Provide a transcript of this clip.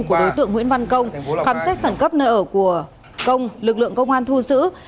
của đối tượng nguyễn văn công khám xét khẩn cấp nơi ở của công lực lượng công an thu giữ